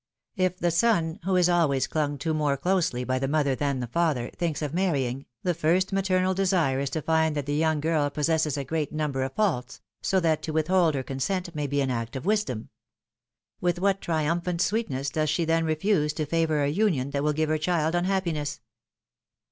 If the son — who is always clung to more closely by the mother than the father — thinks of marrying, the first maternal desire is to find that the young girl possesses a great number of faults, so that to withhold her consent 276 PHILOMilNE's MARRIAGES. may be an act of wisdom. With what triumphant sweet ness does she then refuse to favor a union that will give her child unhappiness